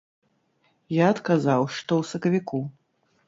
Я адказаў, што ў сакавіку.